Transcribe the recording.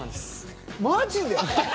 マジで。